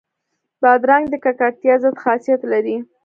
بادرنګ د ککړتیا ضد خاصیت لري.